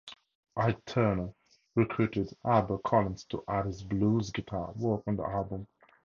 Ike Turner recruited Albert Collins to add his blues guitar work on the album.